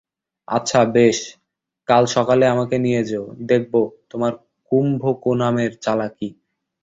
আচ্ছা, বেশ, কাল সকালেই আমাকে নিয়ে যেয়ো, দেখব তোমার কুম্ভকোনামের চালাকি।